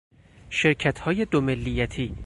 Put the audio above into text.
شرکتهای دو ملیتی